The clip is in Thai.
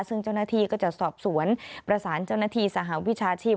ซึ่งเจ้าหน้าที่ก็จะสอบสวนประสานเจ้าหน้าที่สหวิชาชีพ